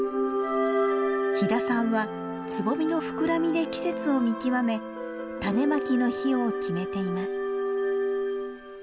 飛田さんはつぼみの膨らみで季節を見極め種まきの日を決めています。